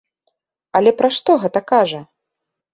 Але пра што гэта кажа?